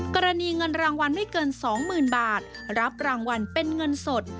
กรณีเงินรางวัลไม่เกิน๒๐๐๐บาทรับรางวัลเป็นเงินสด